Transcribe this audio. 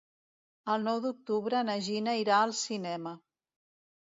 El nou d'octubre na Gina irà al cinema.